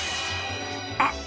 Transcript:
あ！